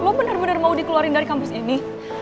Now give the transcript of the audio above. lo bener bener mau dikeluarin dari kampus ini